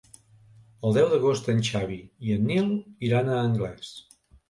El deu d'agost en Xavi i en Nil iran a Anglès.